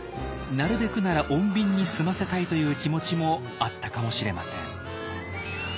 なるべくなら穏便に済ませたいという気持ちもあったかもしれません。